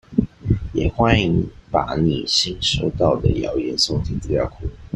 也歡迎把你新收到的謠言送進資料庫